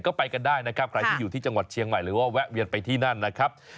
ก็ไปกันได้นะครับใครที่อยู่ที่จังหวัดเชียงใหม่หรือว่าแวะเวียนไปที่นั่นนะครับ